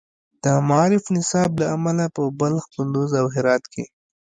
د معارف نصاب له امله په بلخ، کندز، او هرات کې